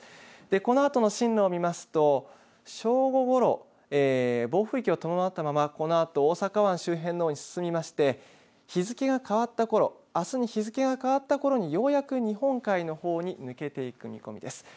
このあとの進路を見ますと正午ごろ、暴風域を伴ったままこのあと大阪湾周辺へ進みまして日付がかわったころ、あすに日付がかわったころにようやく日本海のほうに抜けていく見込みです。